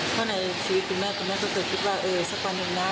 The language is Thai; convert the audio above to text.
เท่าไหร่ชีวิตของแม่คุณแม่ก็คิดว่าเออสักปันแถมหน้า